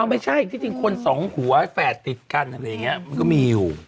ไม่ใช่ที่จริงคนสองหัวแฝดติดกันอะไรอย่างนี้มันก็มีอยู่